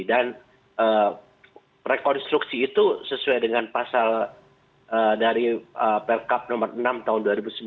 dan rekonstruksi itu sesuai dengan pasal dari pekap nomor enam tahun dua ribu sembilan belas